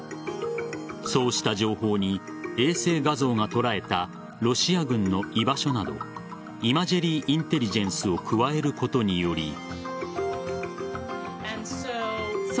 そうした情報に衛星画像が捉えたロシア軍の居場所などイマジェリー・インテリジェンスを加えることにより。